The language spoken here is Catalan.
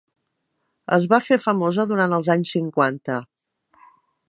Es va fer famosa durant els anys cinquanta.